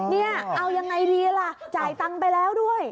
นี่เอายังไงดีล่ะจ่ายตังค์ไปแล้วด้วย